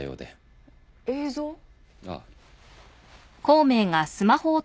ああ。